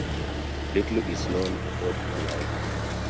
Little is known about her life.